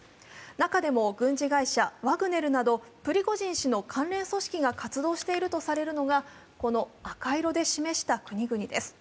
中でも軍事会社ワグネルなど、プリゴジン氏の関連組織が活動しているとされるのがこの赤色で示した国々です。